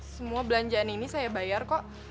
semua belanjaan ini saya bayar kok